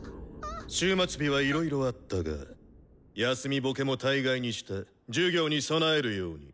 終末日はいろいろあったが休みボケも大概にして授業に備えるように。